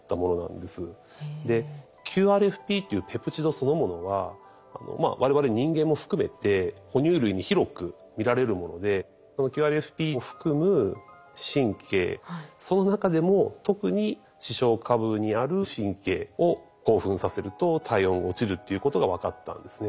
でＱＲＦＰっていうペプチドそのものは我々人間も含めて哺乳類に広く見られるものでそのＱＲＦＰを含む神経その中でも特に視床下部にある神経を興奮させると体温落ちるっていうことが分かったんですね。